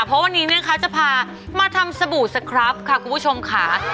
เพราะวันนี้นะคะจะพามาทำสบู่สครับค่ะคุณผู้ชมค่ะ